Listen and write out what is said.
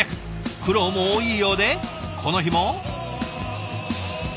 苦労も多いようでこの日も。